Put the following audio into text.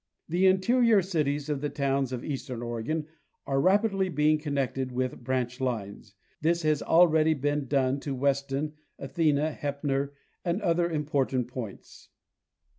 The interior cities and towns of eastern Oregon are rapidly being connected with branch lines. This has already been done as to Weston, Athena, Heppmer and other important points.